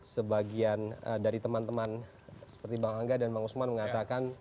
sebagian dari teman teman seperti bang angga dan bang usman mengatakan